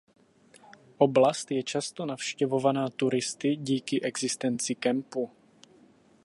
Oblast je často navštěvovaná turisty díky existenci kempu.